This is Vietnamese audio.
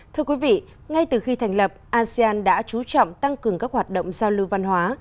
thưa quý vị ngay từ khi thành lập asean đã trú trọng tăng cường các hoạt động giao lưu văn hóa